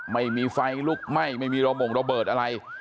ไม่มีไฟลูกไม่ไม่มีระบงรอบบดอะไร